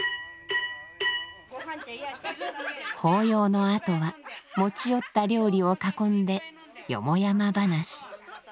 法要のあとは持ち寄った料理を囲んでよもやま話。